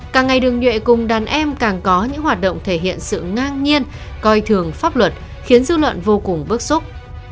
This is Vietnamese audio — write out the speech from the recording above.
càng ngày đường nhuệ cùng đàn em càng có những hoạt động thể hiện sự ngang nhiên coi thường pháp luật khiến dư luận vô cùng bức xúc